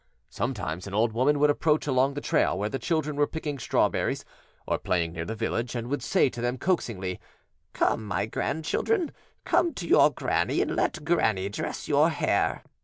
Sometimes an old woman would approach along the trail where the children were picking strawberries or playing near the village, and would say to them coaxingly, "Come, my grandchildren, come to your granny and let granny dress your hair."